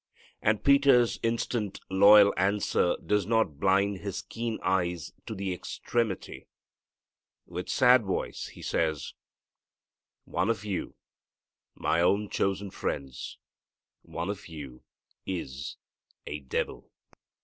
And Peter's instant, loyal answer does not blind His keen eyes to the extremity. With sad voice He says, "One of you, my own chosen friends, one of you is a devil."